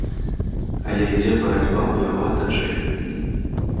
Але ідзе барацьба ў яго атачэнні.